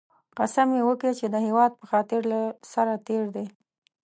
قسم یې وکی چې د هېواد په خاطر له سره تېر دی